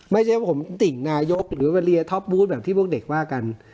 ไม่ใช่ผมติ่งนายกหรือท็อปพูดแบบที่พวกเด็กว่ากัน